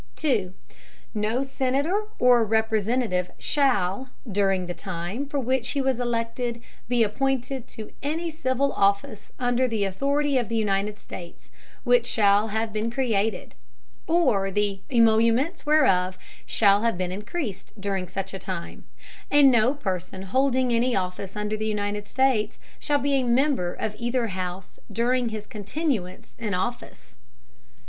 No Senator or Representative shall, during the Time for which he was elected, be appointed to any civil Office under the Authority of the United States, which shall have been created, or the Emoluments whereof shall have been encreased during such time; and no Person holding any Office under the United States, shall be a Member of either House during his Continuance in Office.